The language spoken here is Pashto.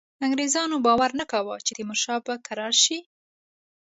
انګرېزانو باور نه کاوه چې تیمورشاه به کرار شي.